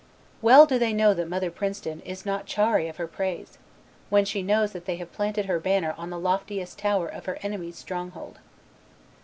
Well do they know that Mother Princeton is not chary of her praise, when she knows that they have planted her banner on the loftiest tower of her enemies' stronghold.